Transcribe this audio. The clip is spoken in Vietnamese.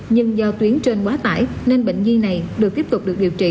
nhưng do tuyến trên quá tải nên bệnh nhi này được tiếp tục được điều trị